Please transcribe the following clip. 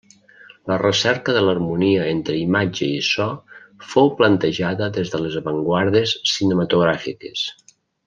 La recerca de l'harmonia entre imatge i so fou plantejada des de les avantguardes cinematogràfiques.